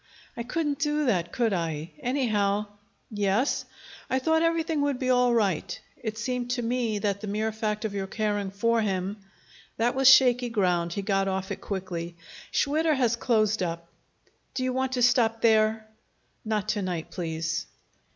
"I couldn't do that, could I? Anyhow " "Yes?" "I thought everything would be all right. It seemed to me that the mere fact of your caring for him " That was shaky ground; he got off it quickly. "Schwitter has closed up. Do you want to stop there?" "Not to night, please."